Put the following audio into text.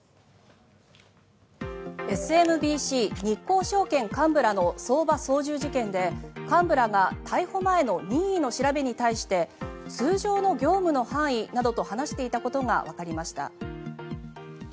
ＳＭＢＣ日興証券幹部らの相場操縦事件で、幹部らが逮捕前の任意の調べに対して通常の業務の範囲などと話していたことがわかりました。